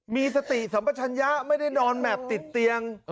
มีสติสัมปชัญญะไม่ได้นอนแมพติดเตียง